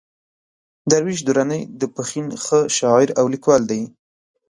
درویش درانی د پښين ښه شاعر او ليکوال دئ.